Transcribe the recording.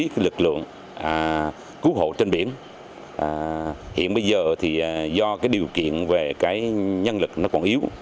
bố trí lực lượng cứu hộ trên biển hiện bây giờ do điều kiện về nhân lực còn yếu